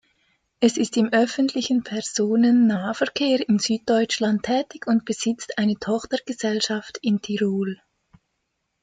Es ist im öffentlichen Personennahverkehr in Süddeutschland tätig und besitzt eine Tochtergesellschaft in Tirol.